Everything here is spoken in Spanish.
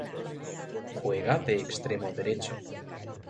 Juega de extremo derecho.